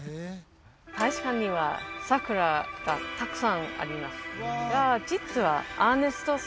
大使館には桜がたくさんあります